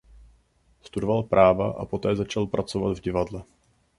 Studoval práva a poté začal pracovat v divadle.